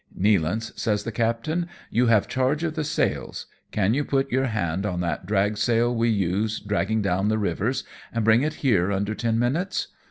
" Nealance," says the captain, " you have charge of the sails ; can you put your hand on that drag sail we use dragging down the rivers, and bring it here under ten minutes